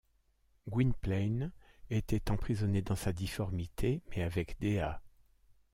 Gwynplaine était emprisonné dans sa difformité, mais avec Dea.